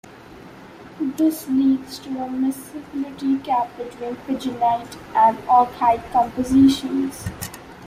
This leads to a miscibility gap between pigeonite and augite compositions.